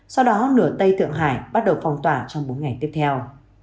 sau đó nửa tây thượng hải bắt đầu phong tỏa trong bốn ngày tiếp theo